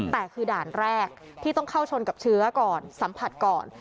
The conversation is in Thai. แต่คือด่านแรกที่ต้องเข้าชนกับเชื้อก่อนสัมผัสก่อน